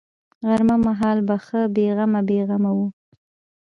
غرمه مهال به ښه بې غمه بې غمه وه.